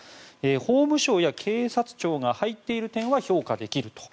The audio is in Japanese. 法務省や警察庁が入っている点は評価できると。